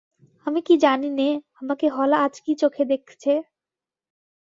আমি কি জানি নে আমাকে হলা আজ কী চোখে দেখছে।